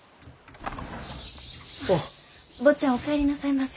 坊ちゃんお帰りなさいませ。